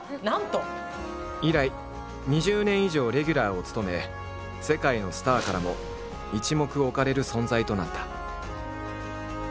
以来２０年以上レギュラーを務め世界のスターからも一目置かれる存在となった。